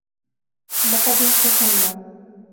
لقد انفصلنا.